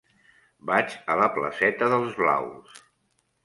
Vaig a la placeta d'Els Blaus.